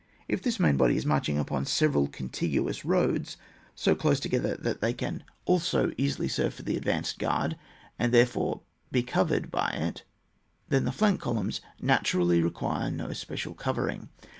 If this main body is marching upon several contiguous roads so close together that they can also easily serve for the advanced guard, and therefore be covered by it, then the flank columns naturally require no special covering.